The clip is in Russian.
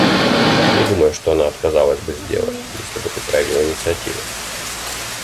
Не думаю, что она отказалась бы сделать, если бы ты проявил инициативу.